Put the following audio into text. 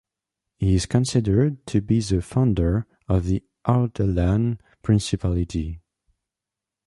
He is considered to be the founder of the Ardalan principality.